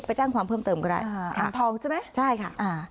ไปแจ้งความเพิ่มเติมก็ได้อ่าถังทองใช่ไหมใช่ค่ะอ่า